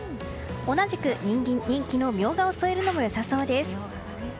同じく人気のミョウガを添えるのも良さそうです。